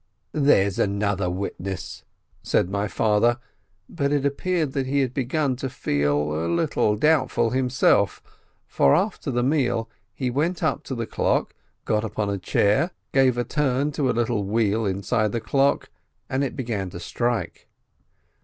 "There's another witness!" said my father, but it appeared that he had begun to feel a little doubtful himself, for after the meal he went up to the clock, got upon a chair, gave a turn to a little wheel inside the clock, and it began to strike.